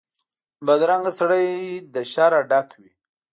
بدرنګه سړی له شره ډک وي